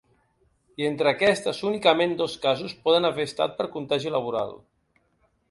I entre aquestes, únicament dos casos poden haver estat per contagi laboral.